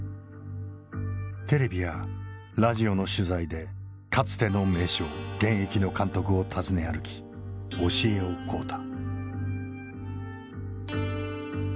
テレビやラジオの取材でかつての名将現役の監督を訪ね歩き教えを請うた。